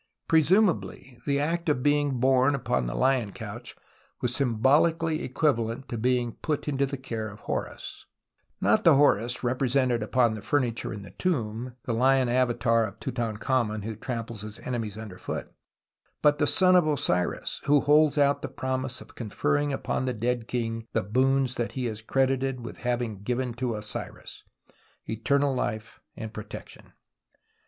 Presumably the act of being borne upon the lion couch was symbolically equivalent to being put into the care of Horus, not the Horus represented upon the furniture in tlie tomb, the lion avatar of Tutankhamen wlio tramples his enemies under foot, but the son of Osiris, Avho holds out the promise of conferring upon the dead king the boons that he is credited with having given to Osiris — eternal life and protection.